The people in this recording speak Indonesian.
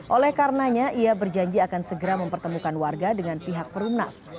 oleh karenanya ia berjanji akan segera mempertemukan warga dengan pihak perumnas